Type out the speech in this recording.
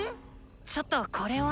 ちょっとこれは。